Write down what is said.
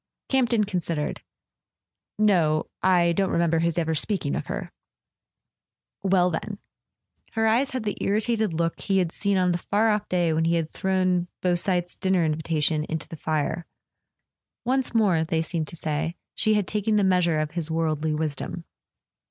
Camp ton considered. "No. I don't remember his ever speaking of her." "Well, then " Her eyes had the irritated look he had seen on the far off day when he had thrown Beausite's dinner invitation into the fire. Once more, they seemed to say, she had taken the measure of his worldly wisdom.